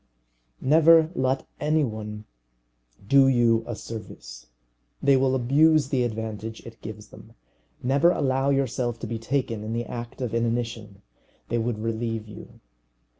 Never let any one do you a service. They will abuse the advantage it gives them. Never allow yourself to be taken in the act of inanition. They would relieve you.